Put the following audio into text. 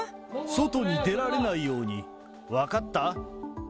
外に出られないように、分かった？